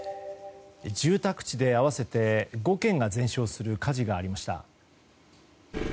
住宅地で合わせて５軒が全焼する火事がありました。